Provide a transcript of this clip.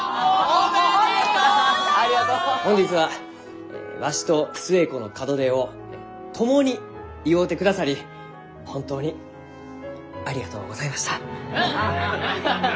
本日はわしと寿恵子の門出を共に祝うてくださり本当にありがとうございました。